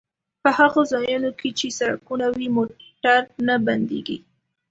په هغو ځایونو کې چې سړکونه وي موټر نه بندیږي